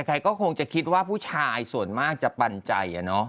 ใครก็คงจะคิดว่าผู้ชายส่วนมากจะปันใจ